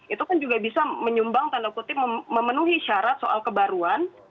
itu kan juga bisa menyumbang tanda kutip memenuhi syarat soal kebaruan